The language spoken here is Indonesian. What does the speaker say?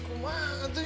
kumang atuh ya